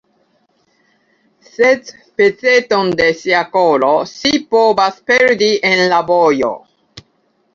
Sed peceton de sia koro ŝi povas perdi en la vojo.